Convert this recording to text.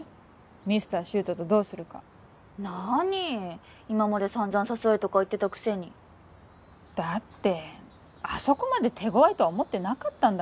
ミスター柊人とどうするか何今まで散々誘えとか言ってたくせにだってあそこまで手強いとは思ってなかったんだ